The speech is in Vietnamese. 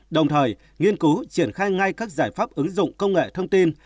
đồng thời nghiên cứu triển khai ngay các giải pháp ứng dụng công nghệ thông tin